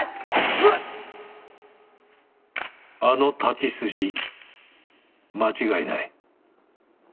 あの太刀筋間違いない。